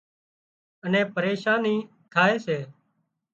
اين پريشانِي ٿائي سي